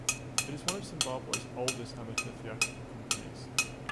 It is one of Zimbabwe's oldest amateur theatrical companies.